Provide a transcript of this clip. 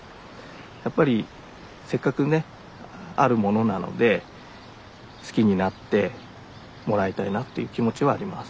やっぱりせっかくねあるものなので好きになってもらいたいなっていう気持ちはあります。